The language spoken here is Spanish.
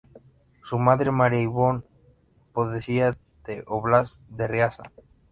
Su madre, María Ivánovna procedía del óblast de Riazán.